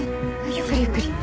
ゆっくりゆっくり。